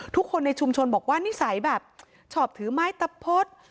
ทุกคนในชุมชนบอกว่านิสัยแบบชอบถือไม้ตะพด